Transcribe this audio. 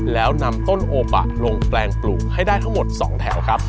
แล้วนำต้นโอบะลงแปลงปลูกให้ได้ทั้งหมด๒แถวครับ